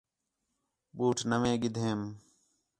بوٹ نویں گِڈھیم